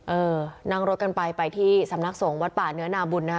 เออนั่งรถกันไปไปที่สำนักสงฆ์วัดป่าเนื้อนาบุญนะฮะ